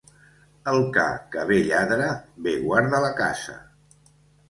El ca que bé lladra, bé guarda la casa.